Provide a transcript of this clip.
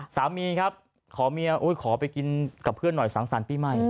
สามีครับขอเมียขอไปกินกับเพื่อนหน่อยสังสรรค์ปีใหม่